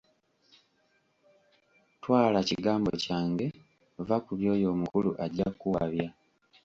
Twala kigambo kyange vva ku by'oyo omukulu ajja kuwabya.